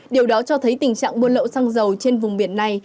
điều đó cho thấy tình trạng mua lậu sang dầu trên vùng biển này